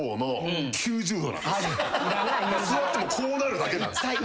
座ってもこうなるだけなんすよ。